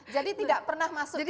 jadi tidak pernah masuk ke sini